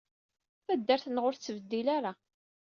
Taddart-nneɣ ur tettbeddil ara.